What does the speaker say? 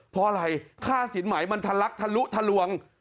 เพราะอะไรค่าสินใหม่มันทะลักทะลุทะลวง